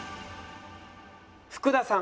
福田さん。